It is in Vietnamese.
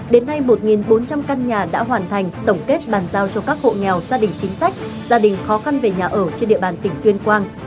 đến nay một bốn trăm linh căn nhà đã hoàn thành tổng kết bàn giao cho các hộ nghèo gia đình chính sách gia đình khó khăn về nhà ở trên địa bàn tỉnh tuyên quang